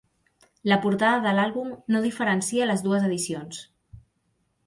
La portada de l'àlbum no diferencia les dues edicions.